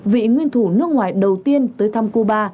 vị nguyên thủ nước ngoài đầu tiên tới thăm cuba